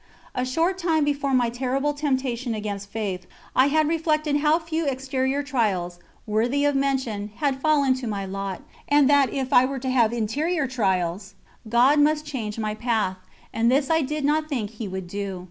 A short time before my terrible temptation against Faith, I had reflected how few exterior trials, worthy of mention, had fallen to my lot, and that if I were to have interior trials, God must change my path; and this I did not think He would do.